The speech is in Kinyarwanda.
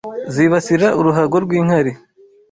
zibasira uruhago rw’inkari